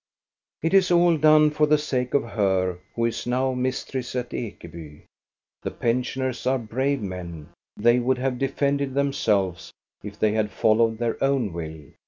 It is all done for the sake of her who is now mistress at Ekeby. The pensioners are brave men; they would have defended themselves if they had followed their own will.